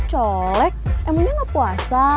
colek emangnya gak puasa